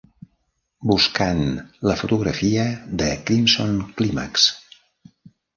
Buscant la fotografia de Crimson Climax.